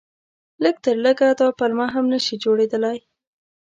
لږ تر لږه دا پلمه هم نه شي جوړېدلای.